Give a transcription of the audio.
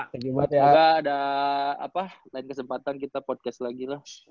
semoga ada lain kesempatan kita podcast lagi lah